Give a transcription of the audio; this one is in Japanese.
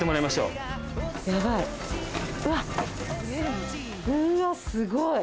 うわすごい。